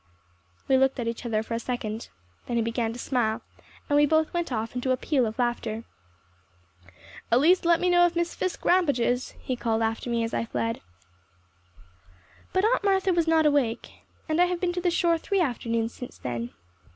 We looked at each other for a second. Then he began to smile, and we both went off into a peal of laughter. "At least let me know if Miss Fiske rampages," he called after me as I fled. But Aunt Martha was not awake and I have been to the shore three afternoons since then.